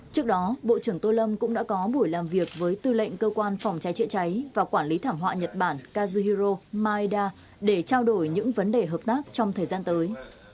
trước đó bộ trưởng tô lâm cũng đã có buổi làm việc với tư lệnh cơ quan phòng cháy chữa cháy và quản lý thảm họa nhật bản kazuhiro maeda để trao đổi những vấn đề hợp tác trong thời gian tới